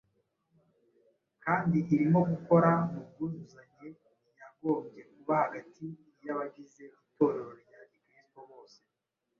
kandi irimo gukora mu bwuzuzanye yagombye kuba hagati y’abagize itorero rya gikristo bose